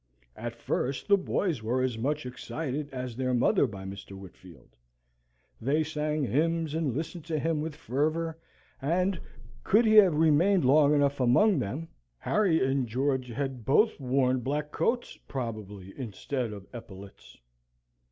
At first the boys were as much excited as their mother by Mr. Whitfield: they sang hymns, and listened to him with fervour, and, could he have remained long enough among them, Harry and George had both worn black coats probably instead of epaulettes.